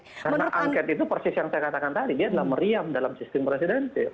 karena angket itu persis yang saya katakan tadi dia adalah meriam dalam sistem presidensi